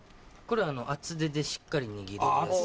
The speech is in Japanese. これ厚手でしっかり握れるやつ。